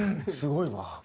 すごいわ。